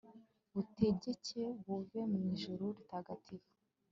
butegeke buve mu ijuru ritagatifu